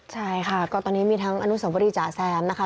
ใช่ค่ะก็ตอนนี้มีทั้งอนุสวรีจ๋าแซมนะคะ